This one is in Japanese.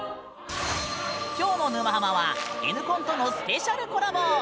今日の「沼ハマ」は「Ｎコン」とのスペシャルコラボ。